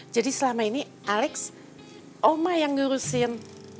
jadi selama ini alex oma yang ngurusin